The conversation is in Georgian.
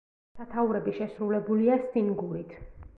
სათაურები შესრულებულია სინგურით.